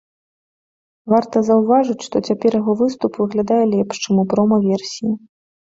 Варта заўважыць, што цяпер яго выступ выглядае лепш, чым у прома-версіі.